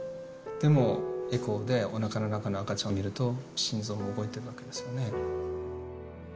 でも、エコーでおなかの中の赤ちゃんを見ると、心臓も動いているわけですよね。